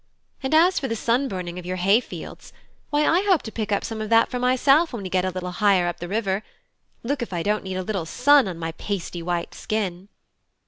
And as for the sun burning of your hay fields, why, I hope to pick up some of that for myself when we get a little higher up the river. Look if I don't need a little sun on my pasty white skin!"